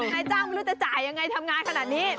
นายจ้างไม่รู้จะจ่ายยังไงทำงานขนาดนี้